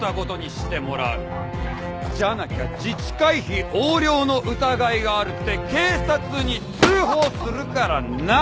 じゃなきゃ自治会費横領の疑いがあるって警察に通報するからな！